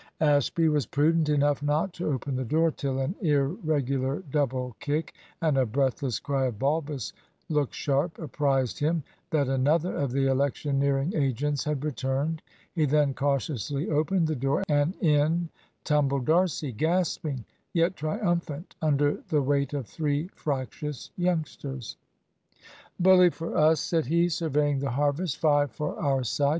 Ashby was prudent enough not to open the door till an irregular double kick and a breathless cry of "Balbus, look sharp," apprised him that another of the electioneering agents had returned. He then cautiously opened the door, and in tumbled D'Arcy, gasping, yet triumphant, under the weight of three fractious youngsters. "Bully for us," said he, surveying the harvest. "Five for our side.